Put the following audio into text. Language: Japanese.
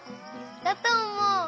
だとおもう。